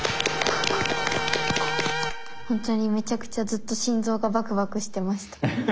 ほんとにめちゃくちゃずっと心臓がバクバクしてました。